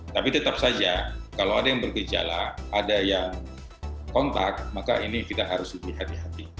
tapi tetap saja kalau ada yang bergejala ada yang kontak maka ini kita harus lebih hati hati